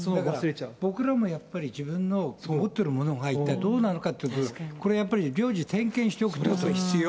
僕らもやっぱり、自分の持ってるものが一体どうなのかということ、これやっぱり、常時点検しておくということが必要。